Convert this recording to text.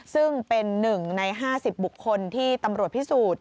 ซึ่งเป็น๑ใน๕๐บุคคลที่ตำรวจพิสูจน์